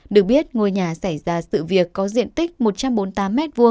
được biết ngôi nhà xảy ra sự việc có diện tích một trăm bốn mươi tám m hai